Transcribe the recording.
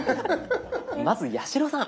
まず八代さん。